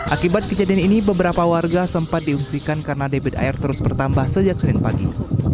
akibat kejadian ini beberapa warga sempat diungsikan karena debit air terus bertambah sejak senin pagi